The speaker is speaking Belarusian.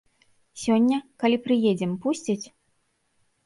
Сёння, калі прыедзем, пусцяць?